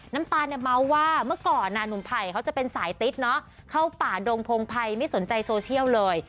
น้ำตาลเนี่ยเมาส์ว่าเมื่อก่อนหนุ่มไผ่เขาจะเป็นสายติ๊ดเนาะเข้าป่าดงพงภัยไม่สนใจโซเชียลเลย